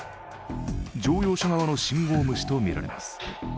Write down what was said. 乗用車側の信号無視とみられます。